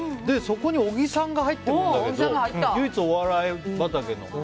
そこに小木さんが入ってくるんだけど唯一お笑い畑の。